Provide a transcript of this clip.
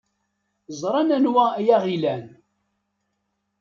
Ẓran anwa ay aɣ-ilan.